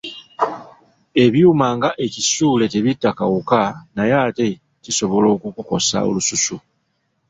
Ebyuma nga ekisule tebitta kawuka naye ate kisobola okukukosa olususu.